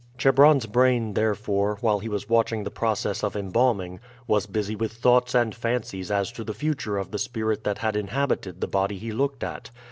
Chebron's brain, therefore, while he was watching the process of embalming, was busy with thoughts and fancies as to the future of the spirit that had inhabited the body he looked at.